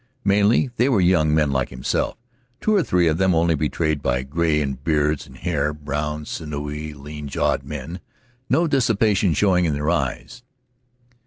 Mainly they were young men like himself, two or three of them only betrayed by gray in beards and hair; brown, sinewy, lean jawed men, no dissipation showing in their eyes.